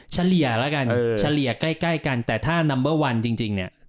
เฉลี่ยแล้วกันเฉลี่ยใกล้กันแต่ถ้านัมเบอร์วันจริงเนี่ย